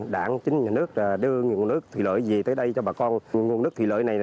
đảng chính nhà nước đưa nguồn nước thủy lợi về tới đây cho bà con nguồn nước thủy lợi này